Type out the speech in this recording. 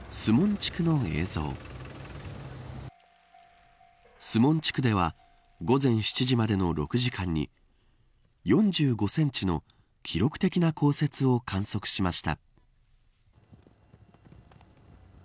守門地区では午前７時までの６時間に４５センチの記録的な降雪を観測しました。